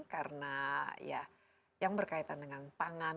karena ya yang berkaitan dengan pangan